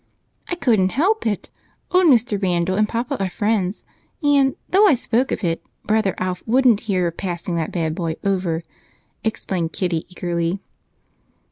"I couldn't help it! Old Mr. Randal and Papa are friends, and though I spoke of it, brother Alf wouldn't hear of passing that bad boy over," explained Kitty eagerly.